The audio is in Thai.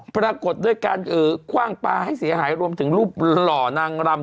ปรากฏด้วยการคว่างปลาให้เสียหายรวมถึงรูปหล่อนางรำ